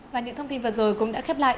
và những thông tin vừa rồi cũng đã khép lại